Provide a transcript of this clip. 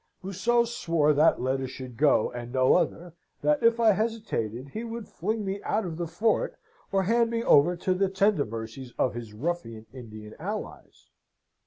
Museau swore that letter should go, and no other; that if I hesitated, he would fling me out of the fort, or hand me over to the tender mercies of his ruffian Indian allies.